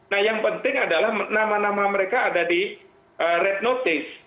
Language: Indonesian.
nah yang penting adalah nama nama mereka ada di red notice